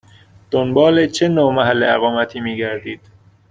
دنبال چه نوع محل اقامتی می گردید؟